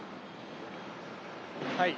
はい。